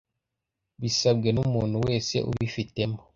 bisabwe n umuntu wese ubifitemo